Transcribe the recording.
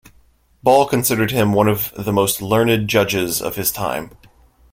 Ball considered him one of the most learned judges of his time.